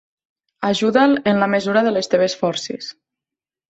Ajuda'l en la mesura de les teves forces.